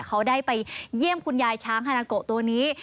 เขาได้ไปเยี่ยมคุณยายช้างฮานาโกะตัวนี้